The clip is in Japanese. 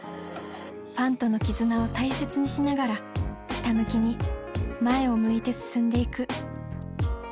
ファンとの絆を大切にしながらひたむきに前を向いて進んでいく。